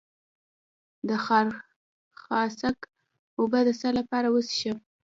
د خارخاسک اوبه د څه لپاره وڅښم؟